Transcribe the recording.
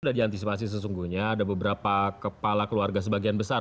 sudah diantisipasi sesungguhnya ada beberapa kepala keluarga sebagian besar